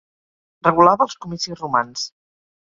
Regulava els comicis romans.